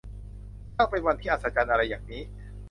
ช่างเป็นวันที่อัศจรรย์อะไรอย่างนี้